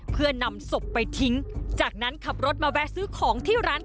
เพื่อนำสบไปทิ้ง